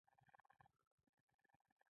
په افغانستان کې اقلیم شتون لري.